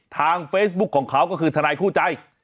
ทางเฟซบุ๊คของเขาก็คือทนายคู่ใจ